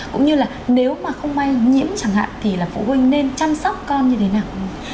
cũng như là nếu mà không may nhiễm chẳng hạn thì là phụ huynh nên chăm sóc con như thế nào